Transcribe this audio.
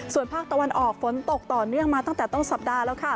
ส่วนภาคตะวันออกฝนตกต่อเนื่องมาตั้งแต่ต้นสัปดาห์แล้วค่ะ